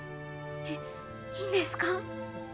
えっいいんですか？